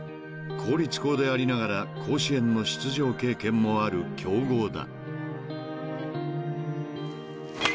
［公立校でありながら甲子園の出場経験もある強豪だ］